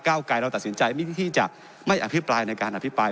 ไกรเราตัดสินใจที่จะไม่อภิปรายในการอภิปราย